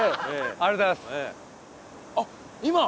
ありがとうございます。